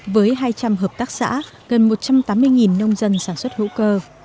với hai trăm linh hợp tác xã gần một trăm tám mươi nông dân sản xuất hữu cơ